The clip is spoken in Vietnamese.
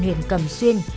huyền cầm xuyên